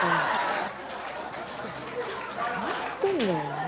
ちょっと変わってんだよね。